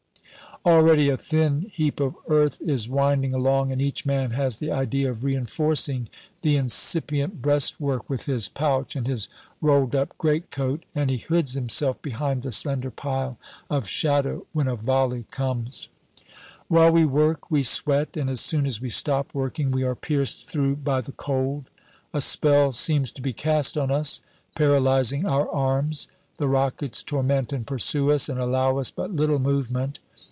Already a thin heap of earth is winding along, and each man has the idea of reinforcing the incipient breastwork with his pouch and his rolled up greatcoat, and he hoods himself behind the slender pile of shadow when a volley comes While we work we sweat, and as soon as we stop working we are pierced through by the cold. A spell seems to be cast on us, paralyzing our arms. The rockets torment and pursue us, and allow us but little movement.